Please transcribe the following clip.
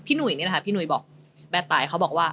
พี่หนุ่ยบอกแบบตาย